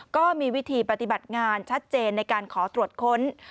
ก็มีวิธีปฏิบัติงานชัดเจนในการขอตรวจค้น